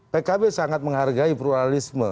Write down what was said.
pkb sangat menghargai pluralisme